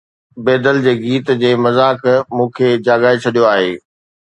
بيدل جي گيت جي مذاق مون کي جاڳائي ڇڏيو آهي